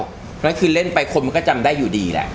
เพราะฉะนั้นคือเล่นไปคนมันก็จำได้อยู่ดีแหละ